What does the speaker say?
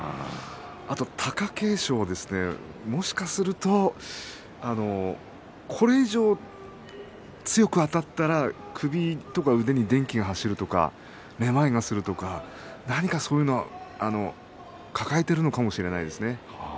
あと貴景勝はですねもしかするとこれ以上強くあたったら首とか腕に電気が走るとかめまいがするとか何かそういうのを抱えているのかもしれませんね。